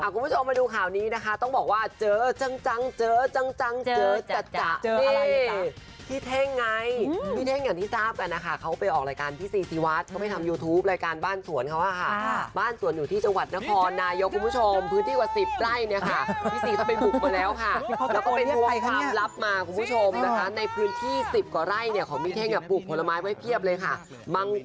คุณผู้ชมมาดูข่าวนี้นะคะต้องบอกว่าเจอจัง